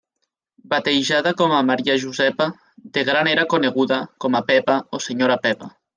Batejada com a Maria Josepa, de gran era coneguda com a Pepa o Senyora Pepa.